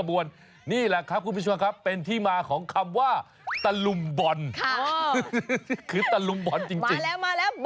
บอลมาแล้วคับเตะคับเตะคับเตะ